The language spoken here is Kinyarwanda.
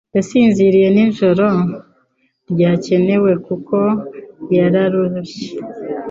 Yasinziriye ijoro ryakeye kuko yararushye.